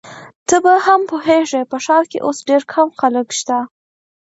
ته به هم پوهیږې، په ښار کي اوس ډېر کم خلک شته.